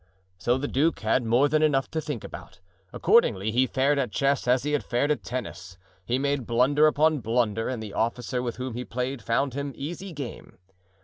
So the duke had more than enough to think about; accordingly he fared at chess as he had fared at tennis; he made blunder upon blunder and the officer with whom he played found him easy game.